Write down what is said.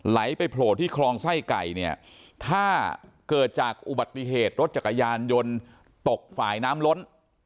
ไหลไปโผล่ที่คลองไส้ไก่เนี่ยถ้าเกิดจากอุบัติเหตุรถจักรยานยนต์ตกฝ่ายน้ำล้น